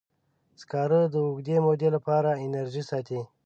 سکاره د اوږدې مودې لپاره انرژي ساتي.